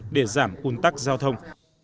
để giảm cung tắc giao thông